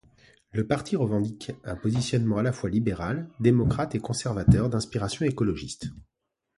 Le parti revendique un positionnement à la fois libéral, démocrate et conservateur d'inspiration écologiste.